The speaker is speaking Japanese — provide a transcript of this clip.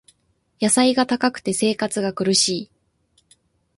野菜が高くて生活が苦しい